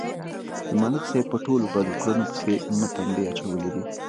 د ملک صاحب په ټولو بدو کړنو پسې مې تمبې اچولې دي